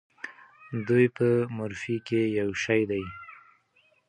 دوی په مورفي کې یو شی دي.